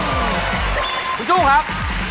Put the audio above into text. คุณชุ่งครับ